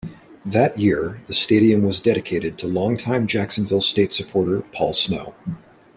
That year, the stadium was dedicated to longime Jacksonville State supporter Paul Snow.